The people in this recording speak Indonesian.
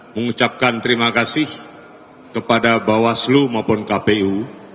mengucapkan terima kasih kepada bawaslu maupun kpu